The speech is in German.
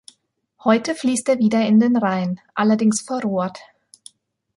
Heute fließt er wieder in den Rhein, allerdings verrohrt.